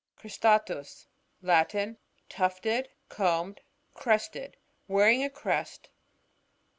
Cristatus.— Latin. Tufted, combed, crested ; wearing a crest.